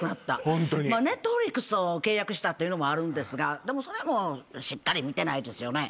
まあＮｅｔｆｌｉｘを契約したっていうのもあるんですがそれもしっかり見てないですよね。